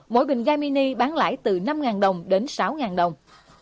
mỗi bình ga mini bán lại từ năm đồng đến sáu đồng